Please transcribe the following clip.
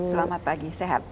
selamat pagi sehat